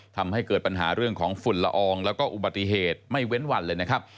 ทำให้เกิดปัญหาเรื่องของฝุ่นละอองแล้วก็อุบัติเหตุไม่เว้นวันเลยนะครับ